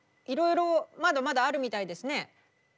いろいろまだまだあるみたいですね。